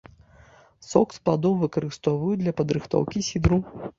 Сок з пладоў выкарыстоўваюць для падрыхтоўкі сідру.